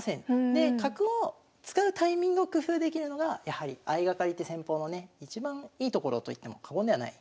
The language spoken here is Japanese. で角を使うタイミングを工夫できるのがやはり相掛かりって戦法のねいちばんいいところといっても過言ではない。